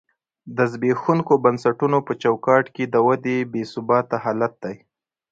د زبېښونکو بنسټونو په چوکاټ کې د ودې بې ثباته حالت دی.